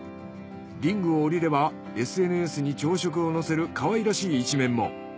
リングを降りればＳＮＳに朝食を載せるかわいらしい一面も。